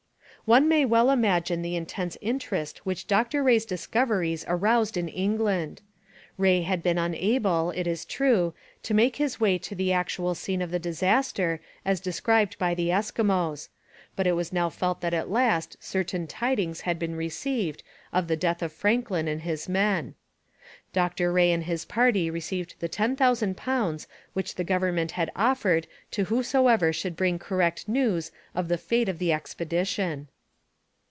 One may well imagine the intense interest which Dr Rae's discoveries aroused in England. Rae had been unable, it is true, to make his way to the actual scene of the disaster as described by the Eskimos, but it was now felt that at last certain tidings had been received of the death of Franklin and his men. Dr Rae and his party received the ten thousand pounds which the government had offered to whosoever should bring correct news of the fate of the expedition.